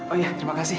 oh iya terima kasih